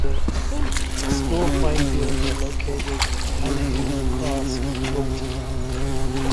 The school playing fields are located at Dennehy's Cross, Wilton.